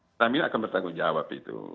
pertamina akan bertanggung jawab itu